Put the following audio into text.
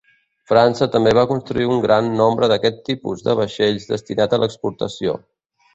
França també va construir un gran nombre d'aquest tipus de vaixells destinats a l'exportació.